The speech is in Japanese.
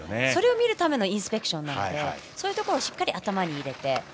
それを見るためのインスペクションなのでそういうところをしっかり頭に入れて